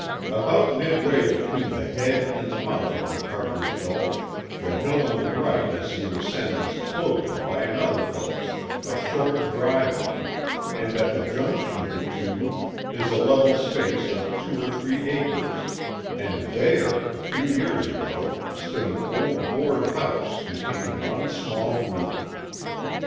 About midway between the head and the mouth of Macarger's Gulch, the hill on the right as you ascend is cloven by another gulch, a short dry one, and at the junction of the two is a level space of two or three acres, and there a few years ago stood an old board house containing one small room.